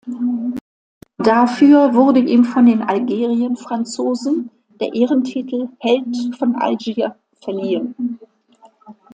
Dafür wurde ihm von den Algerienfranzosen der Ehrentitel „Held von Algier“ verliehen.